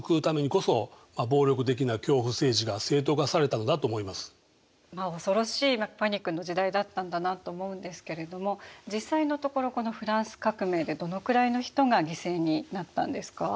彼らの論理からすれば恐ろしいパニックの時代だったんだなと思うんですけれども実際のところこのフランス革命でどのくらいの人が犠牲になったんですか？